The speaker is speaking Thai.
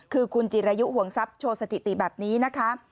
คือคุณจิรายุห่วงทรัพย์โชว์สถิติแบบนี้นะคะ